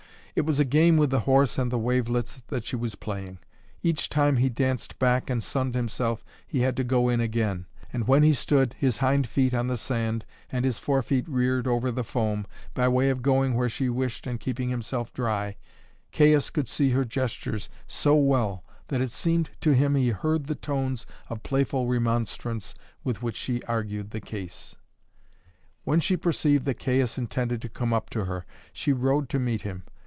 It was a game with the horse and the wavelets that she was playing. Each time he danced back and sunned himself he had to go in again; and when he stood, his hind feet on the sand and his fore feet reared over the foam, by way of going where she wished and keeping himself dry, Caius could see her gestures so well that it seemed to him he heard the tones of playful remonstrance with which she argued the case. When she perceived that Caius intended to come up to her, she rode to meet him.